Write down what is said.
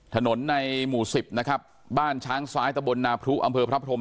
ถนนในหมู่สิบนะครับบ้านช้างซ้ายตะบนนาพรุอำเภอพระพรม